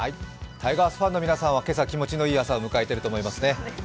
タイガースファンの皆さんは今朝、気持ちのいい朝を迎えていると思いますね。